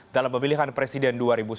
dalam pemilihan presiden dua ribu sembilan belas